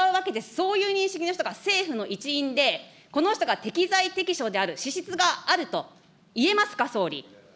そういう認識の人が政府の一員で、この人が適材適所である、資質があると、いえますか、総理。